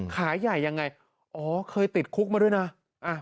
ขายใหญ่ยังไงอ๋อเคยติดคุกมาด้วยนะ